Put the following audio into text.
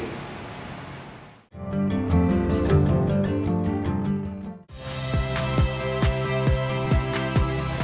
kami menerima kunjungan sudah di angka dua ratus pengunjung